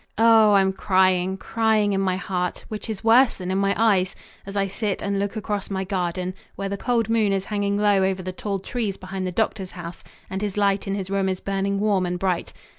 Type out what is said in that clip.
Oh, I'm crying, crying in my heart, which is worse than in my eyes, as I sit and look across my garden, where the cold moon is hanging low over the tall trees behind the doctor's house and his light in his room is burning warm and bright.